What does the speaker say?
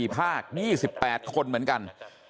๔ภาค๒๘คนเหมือนกัน